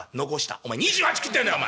「お前２８食ってんだよ！